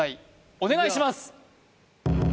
お願いします